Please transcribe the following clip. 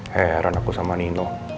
heran aku sama nino